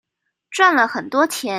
賺了很多錢